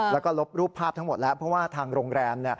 แล้วก็ลบรูปภาพทั้งหมดแล้วเพราะว่าทางโรงแรม